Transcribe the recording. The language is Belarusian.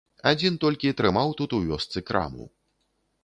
Адзін толькі трымаў тут у вёсцы краму.